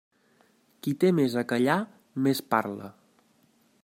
Qui té més a callar més parla.